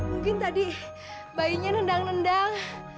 mungkin tadi bayinya nendang nendang